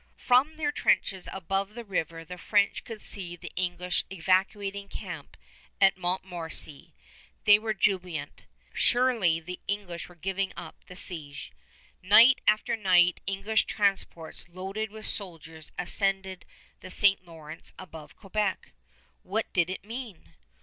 From their trenches above the river the French could see the English evacuating camp at Montmorency. They were jubilant. Surely the English were giving up the siege. Night after night English transports loaded with soldiers ascended the St. Lawrence above Quebec. What did it mean?